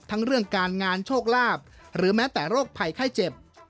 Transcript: เรื่องการงานโชคลาภหรือแม้แต่โรคภัยไข้เจ็บ